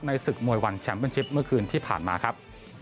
ศึกมวยวันแชมป์เป็นชิปเมื่อคืนที่ผ่านมาครับ